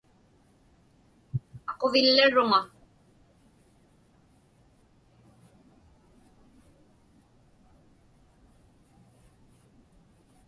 Aquvillaruŋa.